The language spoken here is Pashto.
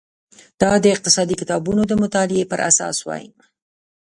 دا د اقتصادي کتابونو د مطالعې پر اساس وای.